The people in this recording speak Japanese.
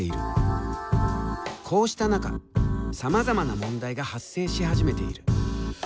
こうした中さまざまな問題が発生し始めている。